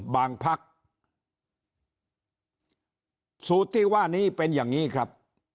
บางพักสูตรที่ว่านี้เป็นอย่างนี้ครับ